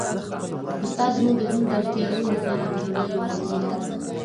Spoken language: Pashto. استاد زموږ د ژوند د تیارو لپاره د رڼا یوازینۍ لاره ده.